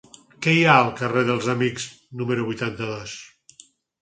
Què hi ha al carrer dels Amics número vuitanta-dos?